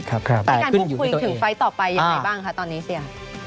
ครับครับแต่ขึ้นอยู่ในตัวเองในการพูดคุยถึงไฟล์ต่อไปยังไงบ้างคะตอนนี้เสีย